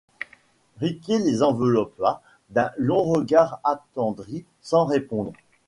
Riquet les enveloppa d'un long regard attendri sans répondre.